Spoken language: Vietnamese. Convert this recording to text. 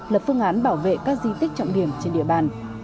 lập phương án bảo vệ các di tích trọng điểm trên địa bàn